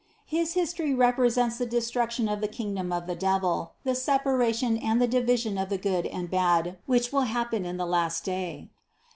His history represents the destruction of the king dom of the devil, the separation and the division of the good and bad, which will happen in the last day.